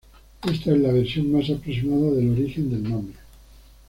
Esta es la versión más aproximada del origen del nombre.